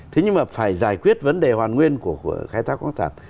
thế nhưng mà phải giải quyết vấn đề hoàn nguyên của khai thác khoáng sản